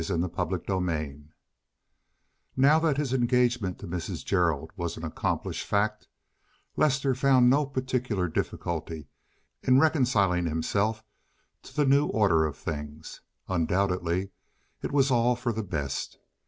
CHAPTER LVIII Now that his engagement to Mrs. Gerald was an accomplished, fact, Lester found no particular difficulty in reconciling himself to the new order of things; undoubtedly it was all for the best.